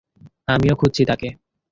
আমিও খুঁজছি তাকে।